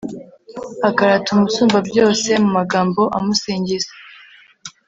akarata umusumbabyose mu magambo amusingiza